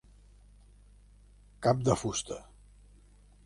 Cap de fusta.